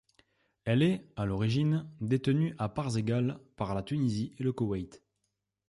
Elle est, à l'origine, détenue à parts égales par la Tunisie et le Koweït.